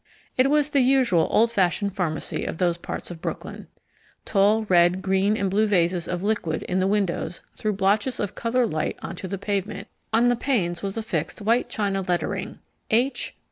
It was the usual old fashioned pharmacy of those parts of Brooklyn: tall red, green, and blue vases of liquid in the windows threw blotches of coloured light onto the pavement; on the panes was affixed white china lettering: H.